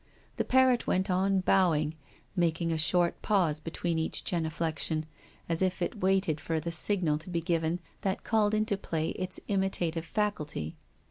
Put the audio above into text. The par rot went on bowing, making a short pause between each genuflection, as if it waited for a signal to be given that called into play its imitative faculty.